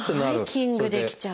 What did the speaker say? ハイキングできちゃう。